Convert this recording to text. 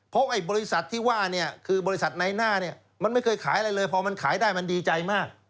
เพราะไอ้บริษัทที่ว่าเนี่ยคือบริษัทในหน้าเนี่ยมันไม่เคยขายอะไรเลยพอมันขายได้มันดีใจมาก